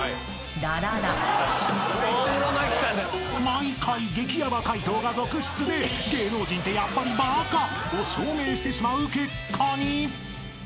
［毎回激ヤバ解答が続出で芸能人ってやっぱりバカ！？を証明してしまう結果に］